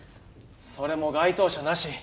それも該当者なし。